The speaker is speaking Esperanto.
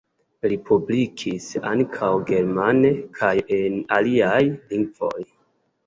Li publikis ankaŭ germane kaj en aliaj lingvoj.